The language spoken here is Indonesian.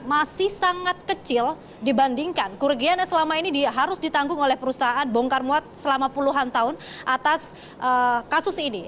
masih sangat kecil dibandingkan kerugian yang selama ini harus ditanggung oleh perusahaan bongkar muat selama puluhan tahun atas kasus ini